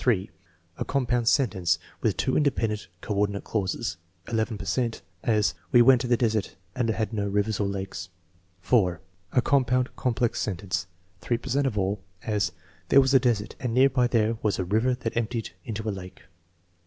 (3) A compound sentence with two independent, coordinate clauses (11 per cent) ; as: "We went to the desert, and it had no rivers or lakes." (4) A compound, complex sentence (3 per cent of all); as: "There was a desert, and near by there was a river that emptied into a lake."